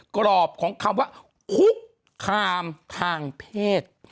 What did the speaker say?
กรอบของคำว่าคุกคามทางเพศ